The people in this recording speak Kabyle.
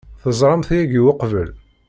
Teẓram-t yagi uqbel?